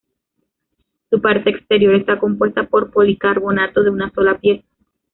Su parte exterior está compuesta por policarbonato de una sola pieza.